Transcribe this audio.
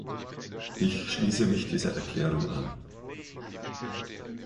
Ich schließe mich dieser Erklärung an.